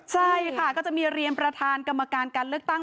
ใช่ค่ะก็จะมีเรียนประธานกรรมการการเลือกตั้ง